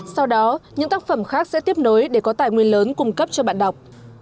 sau đó những tác phẩm khác sẽ tiếp nối để có tài nguyên lớn cung cấp cho bạn đọc